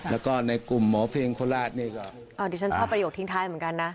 แล้วก็ในกลุ่มหมอเพลงโคราชนี่ก็อ๋อดิฉันชอบประโยคทิ้งท้ายเหมือนกันนะ